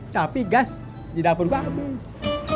tapi gas di dapur gua habis